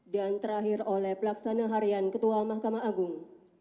dan terakhir oleh pelaksana harian ketua mahkamah agung